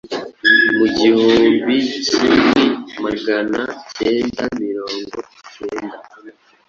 mu gihumbi kimwi magana kenda mirongo ikenda